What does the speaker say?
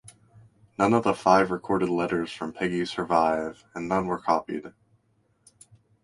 None of the five recorded letters from Peggy survive and none were copied.